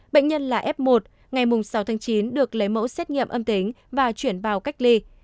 bệnh nhân là f một ngày sáu tháng chín được lấy mẫu xét nghiệm âm tính và chuyển vào cách ly